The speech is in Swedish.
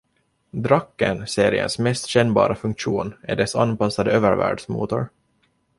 "Drakkhen" -seriens mest kännbara funktion är dess anpassade övervärldsmotor.